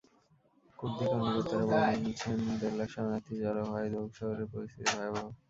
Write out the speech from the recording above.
কুর্দি কর্মকর্তারা বলছেন, দেড় লাখ শরণার্থী জড়ো হওয়ায় দহুক শহরের পরিস্থিতি ভয়াবহ।